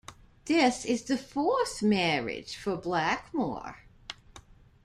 This is the fourth marriage for Blackmore.